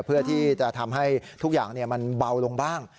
เพื่อที่จะทำให้ทุกอย่างมันเบาลงบ้าง